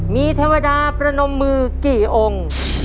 มีเทวดาประนมมือกี่องค์